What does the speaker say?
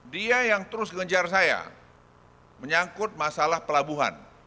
dia yang terus ngejar saya menyangkut masalah pelabuhan